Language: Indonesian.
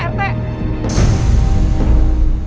iya ini banget aprt